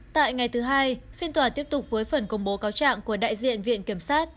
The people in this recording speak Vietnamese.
tại ngày thứ hai phiên tòa tiếp tục với phần công bố cáo trạng của đại diện viện kiểm sát